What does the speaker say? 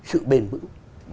sự bền vững